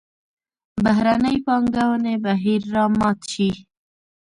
بهرنۍ پانګونې بهیر را مات شي.